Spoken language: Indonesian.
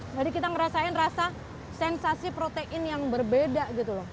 jadi kita ngerasain rasa sensasi protein yang berbeda gitu loh